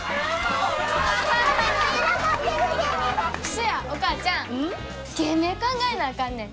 そやお母ちゃん芸名考えなあかんねん。